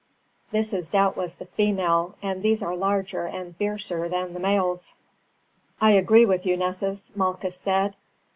"This is doubtless the female, and these are larger and fiercer than the males." "I agree with you, Nessus," Malchus said.